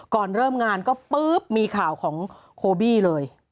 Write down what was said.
ก่อนเริ่มงานก็ปุ๊บมีข่าวของโคบี้เลย